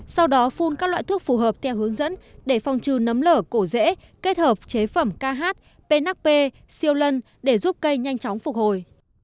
sau đó phun các loại thuốc phù hợp theo hướng dẫn để phòng trừ nấm lở cổ dễ kết hợp chế phẩm kh pnap siêu lân để giúp cây nhanh chóng phục hồi